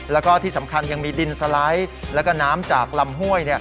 แล้วก็ที่สำคัญยังมีดินสไลด์แล้วก็น้ำจากลำห้วย